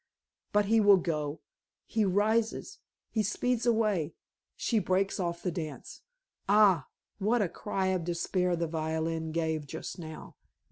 But he will go. He rises; he speeds away; she breaks off the dance. Ah! what a cry of despair the violin gave just now.